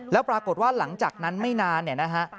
แล้วปรากฏว่าหลังจากนั้นไม่นาน